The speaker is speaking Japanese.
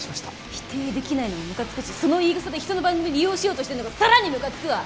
否定できないのもムカつくしその言い草で人の番組利用しようとしてるのがさらにムカつくわ！